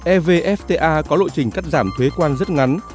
evfta có lộ trình cắt giảm thuế quan rất ngắn